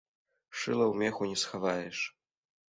Шыла ў меху не схаваеш.